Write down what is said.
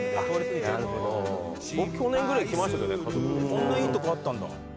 こんないいとこあったんだ。